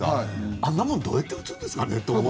あんなものどうやって打つんですか。